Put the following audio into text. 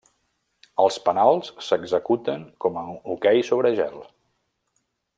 Els penals s'executen com en hoquei sobre gel.